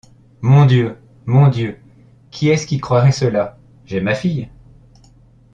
Mon Dieu ! mon Dieu ! qui est-ce qui croirait cela ? j’ai ma fille !